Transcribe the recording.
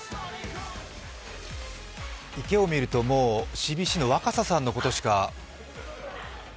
池を見るともう、ＣＢＣの若狭さんのことしか。